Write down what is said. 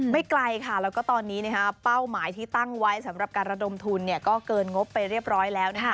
ไกลค่ะแล้วก็ตอนนี้เป้าหมายที่ตั้งไว้สำหรับการระดมทุนก็เกินงบไปเรียบร้อยแล้ว